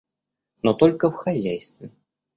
Но только в хозяйстве.